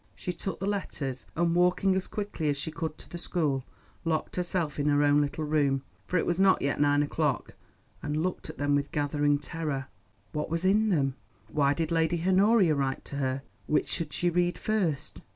She took the letters, and walking as quickly as she could to the school, locked herself in her own little room, for it was not yet nine o'clock, and looked at them with a gathering terror. What was in them? Why did Lady Honoria write to her? Which should she read first?